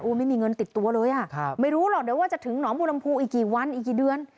อุ้มไม่มีเงินติดตัวเลยไม่รู้เหรอว่าจะถึงหนองบัวลำภูอีกกี่วันอีกกี่เดือน